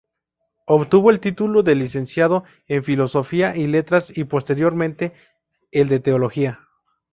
Obtuvo el título de licenciado en Filosofía y Letras y posteriormente el de Teología.